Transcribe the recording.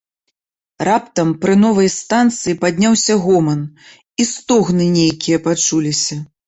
Раптам пры новай станцыі падняўся гоман і стогны нейкія пачуліся.